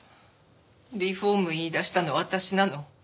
リフォーム言い出したの私なの。